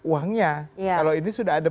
uangnya kalau ini sudah ada